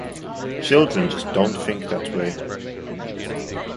Children just don't think that way.